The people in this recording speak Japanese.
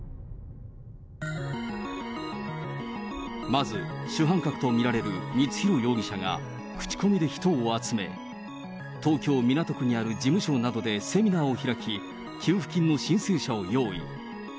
まず主犯格と見られる光弘容疑者が、口コミで人を集め、東京・港区にある事務所などでセミナーを開き、給付金の申請者を用意。